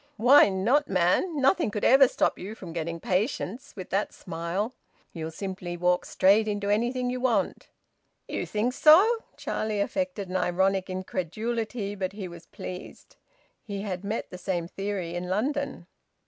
"Why not, man! Nothing could ever stop you from getting patients with that smile! You'll simply walk straight into anything you want." "You think so?" Charlie affected an ironic incredulity, but he was pleased. He had met the same theory in London.